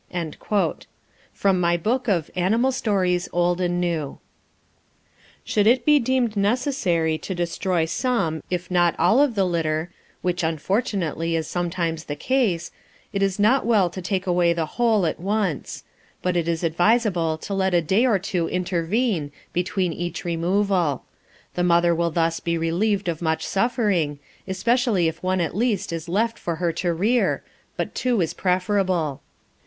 From my Book of "Animal Stories, Old and New." Should it be deemed necessary to destroy some, if not all of the litter, which, unfortunately, is sometimes the case, it is not well to take away the whole at once; but it is advisable to let a day or two intervene between each removal; the mother will thus be relieved of much suffering, especially if one at least is left for her to rear, but two is preferable.